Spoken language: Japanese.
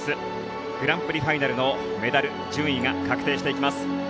グランプリファイナルのメダル、順位が確定していきます。